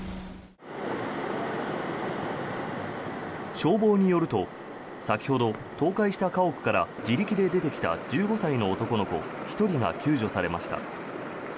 消防によると先ほど、倒壊した家屋から自力で出てきた１５歳の男の子１人が救助されました。